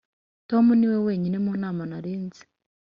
tom niwe wenyine mu nama nari nzi.